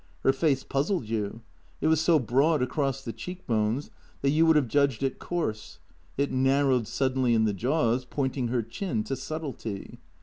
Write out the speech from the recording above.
Her face puzzled you; it was so broad across the cheek bones that you would have judged it coarse; it narrowed suddenly in the jaws, pointing her chin to subtlety.